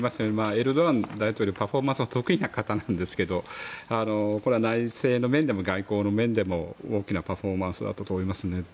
エルドアン大統領はパフォーマンスが得意な方なんですけどこれは内政の面でも外交の面でも大きなパフォーマンスだったと思いますね。